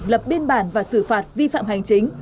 lập biên bản và xử phạt vi phạm hành chính